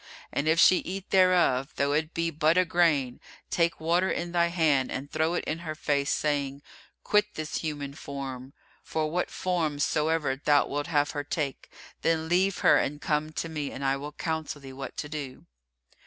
And if she eat thereof, though it be but a grain, take water in thy hand and throw it in her face, saying, 'Quit this human form' (for what form soever thou wilt have her take). Then leave her and come to me and I will counsel thee what to do."